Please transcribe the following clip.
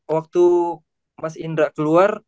waktu mas indra keluar